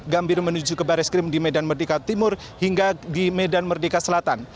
gambir menuju ke baris krim di medan merdeka timur hingga di medan merdeka selatan